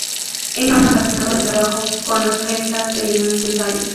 Era un apasionado del trabajo con las orquestas en los ensayos.